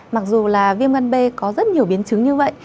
mặc dù là viêm gan b có rất nhiều biến chứng như vậy